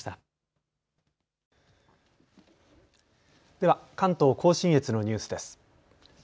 では関東甲信越のニュースです。